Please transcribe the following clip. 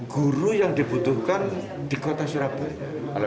guru yang dibutuhkan di kota surabaya